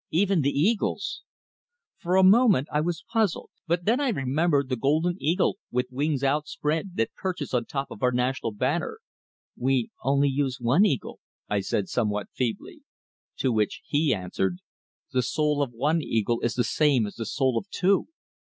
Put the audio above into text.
"Even the eagles!" For a moment I was puzzled; but then I remembered the golden eagle with wings outspread, that perches on top of our national banner. "We only use one eagle," I said, somewhat feebly. To which he answered, "The soul of one eagle is the same as the soul of two."